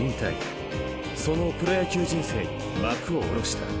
［そのプロ野球人生に幕を下ろした］